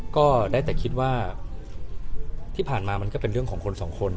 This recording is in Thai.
ก็ได้แต่คิดว่าที่ผ่านมามันก็เป็นเรื่องของคนสองคน